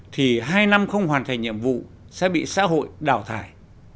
thì hai năm không hoàn thành nhiệm vụ sẽ bị xã hội đào thải